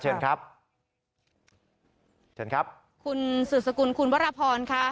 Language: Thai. เชิญครับคุณสื่อสกุลคุณวรพรค่ะ